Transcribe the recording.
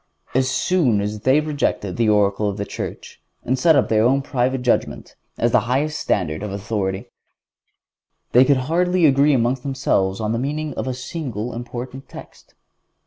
As soon as they rejected the oracle of the Church, and set up their own private judgment as the highest standard of authority, they could hardly agree among themselves on the meaning of a single important text.